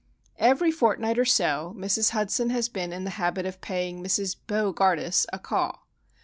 Every fortnight or so Mrs. Hudson has been in the habit of paying Mrs. Bo gardus a call.